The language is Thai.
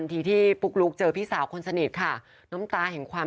ทีที่ปุ๊กลุ๊กเจอพี่สาวคนสนิทค่ะน้ำตาแห่งความ